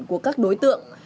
của các đối tượng